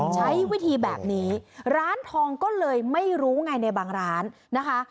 ใช้วิธีแบบนี้ร้านทองก็เลยไม่รู้ไงในบางร้านนะคะ